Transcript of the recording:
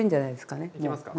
いけますか？